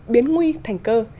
biến nguy thành cơ